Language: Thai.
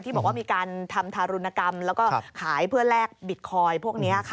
บอกว่ามีการทำทารุณกรรมแล้วก็ขายเพื่อแลกบิตคอยน์พวกนี้ค่ะ